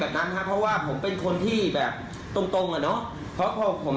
ไม่ควรตรงแบบนี้เลยครับผม